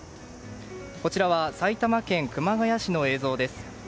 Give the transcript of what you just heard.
こちらは埼玉県熊谷市の映像です。